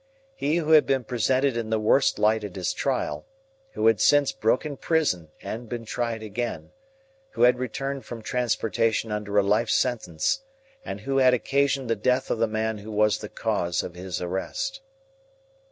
He who had been presented in the worst light at his trial, who had since broken prison and had been tried again, who had returned from transportation under a life sentence, and who had occasioned the death of the man who was the cause of his arrest.